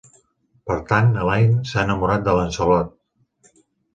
Per tant, Elaine s'ha enamorat de Lancelot.